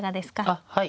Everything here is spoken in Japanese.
あっはい。